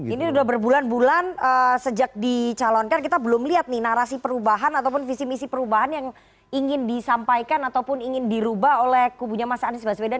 ini sudah berbulan bulan sejak dicalonkan kita belum lihat nih narasi perubahan ataupun visi misi perubahan yang ingin disampaikan ataupun ingin dirubah oleh kubunya mas anies baswedan